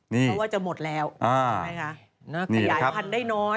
เพราะว่าจะหมดแล้วอานี่ครับขยายฟันได้น้อย